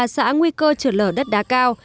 ba mươi ba xã nguy cơ trượt lở đất đá cao